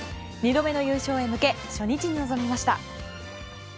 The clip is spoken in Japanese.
２度目の優勝に向けて初日に臨みました。